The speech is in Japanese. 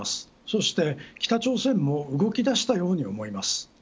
そして、北朝鮮も動き出したように思います。